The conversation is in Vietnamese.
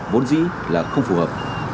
bốn dĩ là không phù hợp